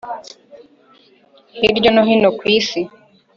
hirya no hino ku isi